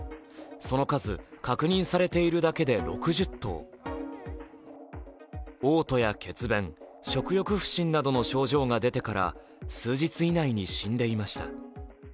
その数、確認されているだけで６０頭嘔吐や血便、食欲不振などの症状が出てから数日以内に死んでいました。